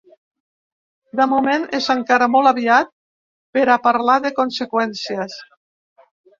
De moment, és encara molt aviat per a parlar de conseqüències.